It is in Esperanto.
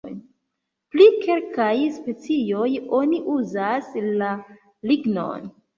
Pri kelkaj specioj oni uzas la lignon.